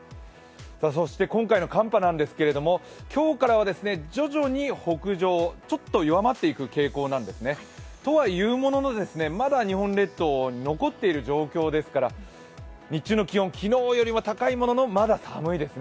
そして今回の寒波なんですけど今日からは徐々に北上、ちょっと弱まっていく傾向なんですね。とはいうものの、まだ日本列島残っている状況ですから、日中の気温、昨日よりも高いもののまだ寒いですね。